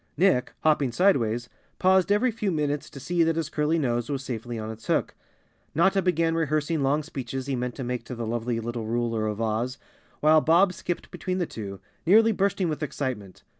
Nick, hopping sidewise, paused every few minutes to see that his curly nose was safely on its hook. Notta began rehearsing long speeches he meant to make to the lovely little ruler of Oz, while Bob skipped between the two, nearly bursting with excitement.